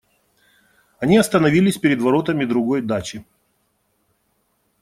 Они остановились перед воротами другой дачи.